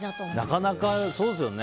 なかなかそうですよね。